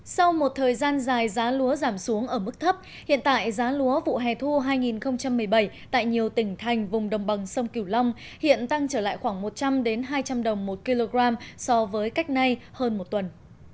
sau một thời gian dài giá lúa giảm xuống ở mức thấp hiện tại giá lúa vụ hè thu hai nghìn một mươi bảy tại nhiều tỉnh thành vùng đồng bằng sông kiều long hiện tăng trở lại khoảng một trăm linh hai trăm linh đồng một kg so với cách nay hơn một tuần